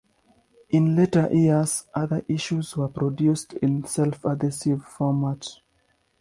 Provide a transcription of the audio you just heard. In later years other issues were produced in the self-adhesive format.